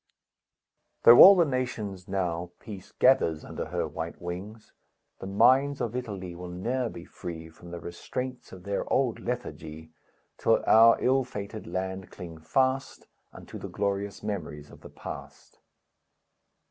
Though all the nations now Peace gathers under her white wings, The minds of Italy will ne'er be free From the restraints of their old lethargy, Till our ill fated land cling fast Unto the glorious memories of the Past.